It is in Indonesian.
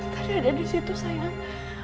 tadi ada disitu sayang